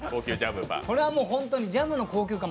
これはもう、本当にジャムの高級感